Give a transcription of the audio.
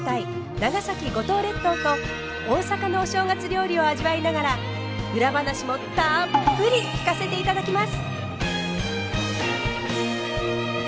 長崎・五島列島と大阪のお正月料理を味わいながら裏話もたっぷり聞かせていただきます。